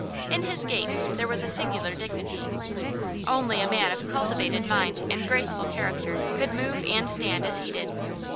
In his gait there was a singular dignity; only a man of cultivated mind and graceful character could move and stand as he did.